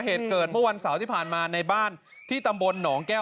เหตุเกิดเมื่อวันเสาร์ที่ผ่านมาในบ้านที่ตำบลหนองแก้ว